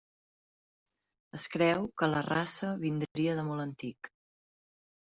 Es creu que la raça vindria de molt antic.